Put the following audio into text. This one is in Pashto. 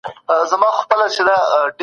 خپل کور ته د تازه هوا لاره جوړه کړئ.